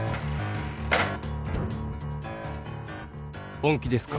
本気ですか？